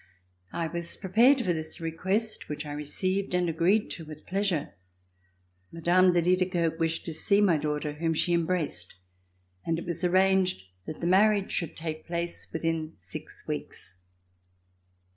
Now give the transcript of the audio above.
I was prepared for this request which I received and agreed to with pleasure. Mme. de Liedekerke wished to see my daughter whom she embraced and it was ar ranged that the marriage should take place within six weeks.